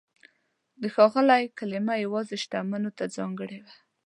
د "ښاغلی" کلمه یوازې شتمنو ته ځانګړې وه.